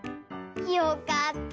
よかった。